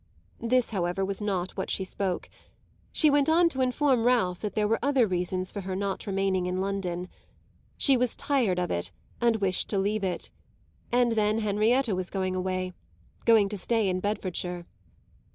This, however, was not what she spoke; she went on to inform Ralph that there were other reasons for her not remaining in London. She was tired of it and wished to leave it; and then Henrietta was going away going to stay in Bedfordshire.